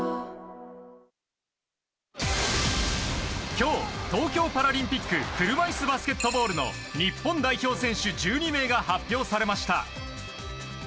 今日、東京パラリンピック車いすバスケットボールの日本代表選手１２名が発表されました。